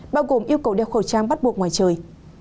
bao gồm yêu cầu đeo khẩu trang bắt buộc ngoài trời